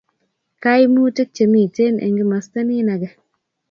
kaimutik chemiten eng' kimasta nin age